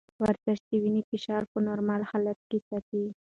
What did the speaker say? ورزش د وینې فشار په نورمال حالت کې ساتي.